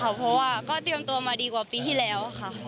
เพราะว่าก็เตรียมตัวมาดีกว่าปีที่แล้วค่ะ